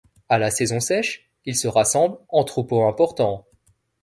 À la saison sèche, ils se rassemblent en troupeaux importants.